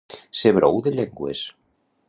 Ser brou de llengües.